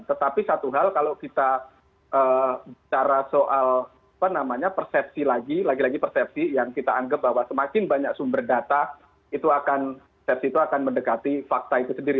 tetapi satu hal kalau kita bicara soal persepsi lagi lagi persepsi yang kita anggap bahwa semakin banyak sumber data itu akan persepsi itu akan mendekati fakta itu sendiri